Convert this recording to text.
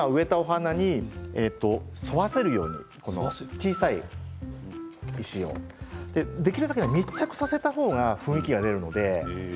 今、植えたお花に添わせるように小さい石をできるだけ密着させた方が雰囲気が出ます。